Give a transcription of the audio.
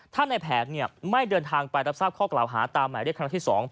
ถ้าในแผนไม่เดินทางไปรับทราบข้อกล่าวหาตามหมายเรียกครั้งที่๒